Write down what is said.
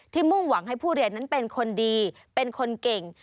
มุ่งหวังให้ผู้เรียนนั้นเป็นคนดีเป็นคนเก่ง